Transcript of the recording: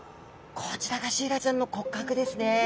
こちらがシイラちゃんの骨格ですね。